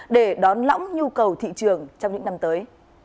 để đón lõng nhu cầu thị trường trong những năm tới